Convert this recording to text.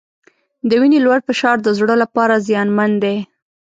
د وینې لوړ فشار د زړه لپاره زیانمن دی.